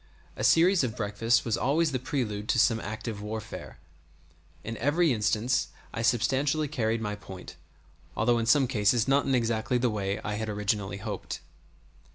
A series of breakfasts was always the prelude to some active warfare.[*] In every instance I substantially carried my point, although in some cases not in exactly the way in which I had originally hoped.